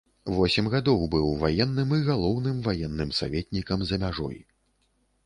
Восем гадоў быў ваенным і галоўным ваенным саветнікам за мяжой.